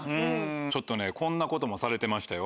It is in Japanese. ちょっとねこんなこともされてましたよ。